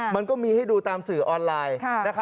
มันก็มีให้ดูตามสื่อออนไลน์